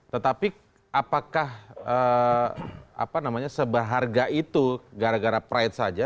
tetapi apakah seberharga itu gara gara pride saja